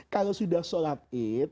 kalau sudah sholat eid